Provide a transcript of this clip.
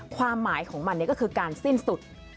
ความหมายของมันก็คือการสิ้นสุด